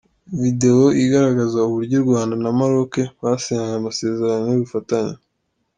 Video igaragaza uburyo u Rwanda na Maroc basinyanye amasezerano y’ubufatanye.